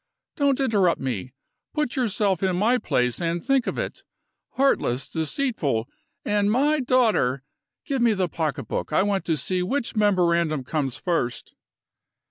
Don't interrupt me. Put yourself in my place, and think of it. Heartless, deceitful, and my daughter. Give me the pocketbook; I want to see which memorandum comes first."